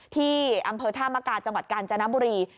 ที่อำเภอธามกาจังหวัดกาญจนบุรี